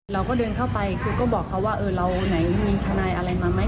เราก็เดินเข้าไปคือก็บอกเขาว่าเออเราไหนมีทนายอะไรมาไหม